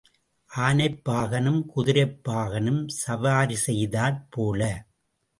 ஆனைப் பாகனும் குதிரைப் பாகனும் சவாரி செய்தாற் போல.